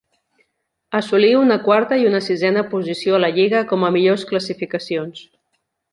Assolí una quarta i una sisena posició a la lliga com a millors classificacions.